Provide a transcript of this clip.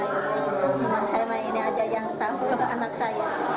cuma saya mainnya aja yang tahu sama anak saya